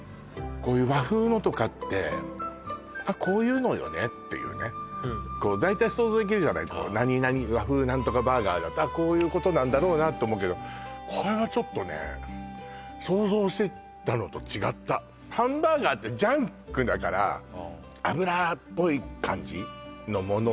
こういう和風のとかってこういうのよねっていうね大体想像できるじゃない和風何とかバーガーだとこういうことなんだろうなと思うけどこれはちょっとねハンバーガーってジャンクだから脂っぽい感じのもの